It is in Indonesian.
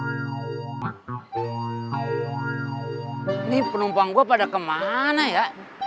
ini penumpang gue pada kemana ya